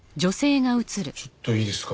ちょっといいですか？